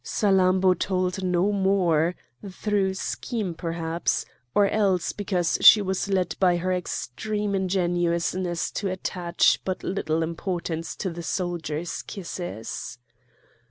Salammbô told no more, through shame perhaps, or else because she was led by her extreme ingenuousness to attach but little importance to the soldier's kisses.